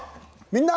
「みんな！